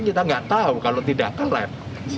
kita nggak tahu kalau tidak keren